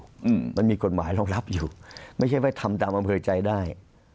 อืมมันมีกฎหมายรองรับอยู่ไม่ใช่ว่าทำตามอำเภอใจได้